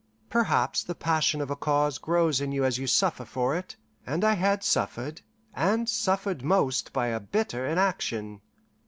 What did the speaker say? Perhaps the passion of a cause grows in you as you suffer for it, and I had suffered, and suffered most by a bitter inaction.